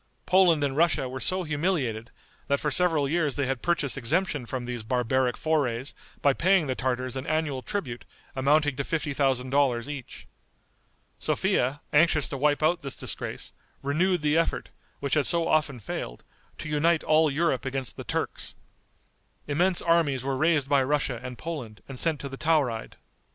Poland and Russia were so humiliated, that for several years they had purchased exemption from these barbaric forays by paying the Tartars an annual tribute amounting to fifty thousand dollars each. Sophia, anxious to wipe out this disgrace, renewed the effort, which had so often failed, to unite all Europe against the Turks. Immense armies were raised by Russia and Poland and sent to the Tauride.